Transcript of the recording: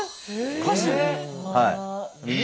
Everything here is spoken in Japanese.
はい。